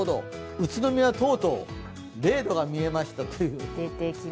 宇都宮はとうとう０度が見えました。